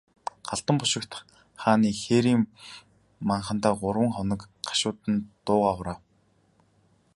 Галдан бошигт хаан хээрийн майхандаа гурван хоног гашуудан дуугаа хураав.